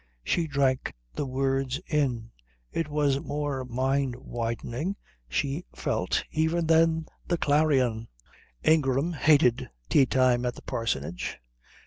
She drank the words in. It was more mind widening she felt even than the Clarion. Ingram hated tea time at the parsonage.